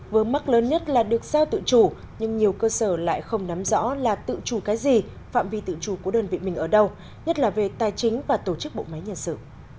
vớ mắc lớn nhất là được giao tự chủ nhưng nhiều cơ sở lại không nắm rõ là tự chủ cái gì phạm vi tự chủ của đơn vị mình ở đâu nhất là về tài chính và tổ chức bộ máy nhân sự